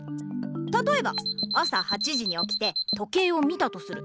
たとえば朝８時におきて時計を見たとする。